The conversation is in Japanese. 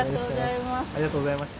ありがとうございます。